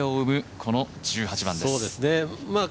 この１８番です。